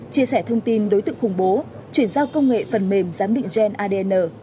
chia sẻ thông tin đối tượng khủng bố chuyển giao công nghệ phần mềm giám định gen adn